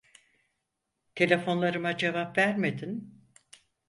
Telefonlarıma cevap vermedin.